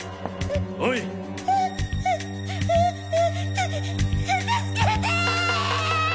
たっ助けて！